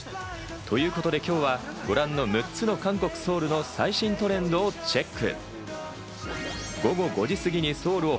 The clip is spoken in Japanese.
ということで今日は６つの韓国・ソウルの最新トレンドをチェック。